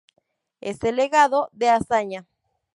Es el legado de Azaña.